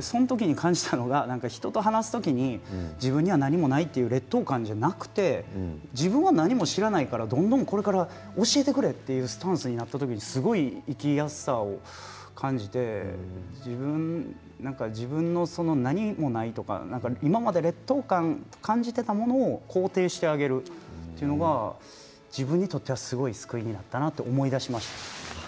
その時に感じたのは人と話す時に自分には何もないという劣等感ではなくて自分は何も知らないからどんどん、これから教えてくれというスタンスになった時にすごく生きやすさを感じて自分の何もないとか今まで劣等感を感じていたものを肯定してあげるというのが自分にとっては、すごく救いになったなと思い出しました。